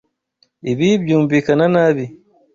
Ibi byumvikana nabi.